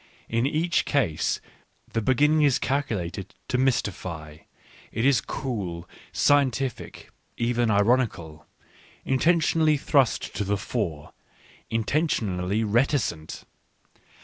In each case the beginning is calculated to mystify ; it is cool, scientific, even ironical, intentionally thrust to the fore, intentionally reticent.